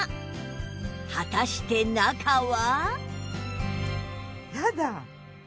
果たして中は？